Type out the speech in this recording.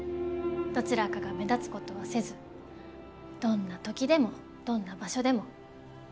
どちらかが目立つことはせずどんな時でもどんな場所でもあくまで共同。